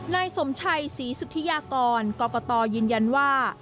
นายสมชัยศรีสุธิยากรกรกตยืนยันว่า